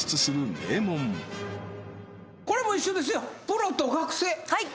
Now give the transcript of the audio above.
名門これも一緒ですよ